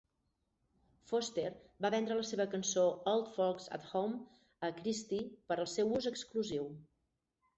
Foster va vendre la seva cançó, "Old Folks at Home", a Christy per al seu ús exclusiu.